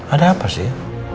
ada apa sih